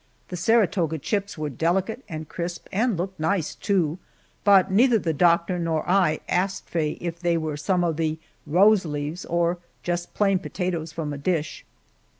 The Saratoga chips were delicate and crisp and looked nice, too, but neither the doctor nor I asked Faye if they were some of the "rose leaves" or just plain potatoes from a dish!